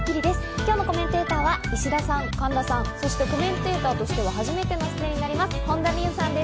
今日のコメンテーターは石田さん、神田さん、そしてコメンテーターとしては初めての出演になります、本田望結さんです。